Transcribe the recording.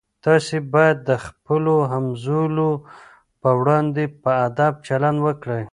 تاسي باید د خپلو همزولو په وړاندې په ادب چلند وکړئ.